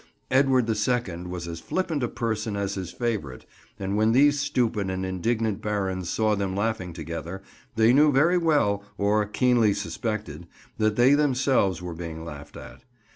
Edward the Second was as flippant a person as his favourite, and when these stupid and indignant barons saw them laughing together, they knew very well, or keenly suspected, that they themselves were being laughed at.